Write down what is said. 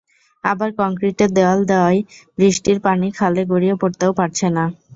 আবার কংক্রিটের দেয়াল দেওয়ায় বৃষ্টির পানি খালে গড়িয়ে পড়তেও পারছে না।